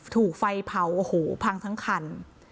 ถูกไฟเผาโอ้โหพังทั้งคัน